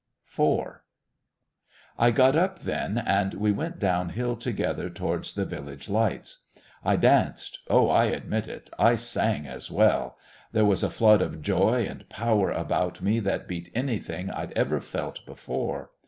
4 I got up then, and we went downhill together towards the village lights. I danced oh, I admit it I sang as well. There was a flood of joy and power about me that beat anything I'd ever felt before.